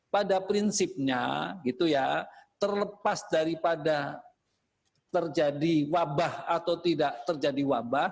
pada prinsipnya gitu ya terlepas daripada terjadi wabah atau tidak terjadi wabah